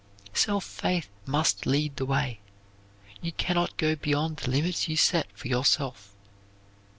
Self faith must lead the way. You can not go beyond the limits you set for yourself.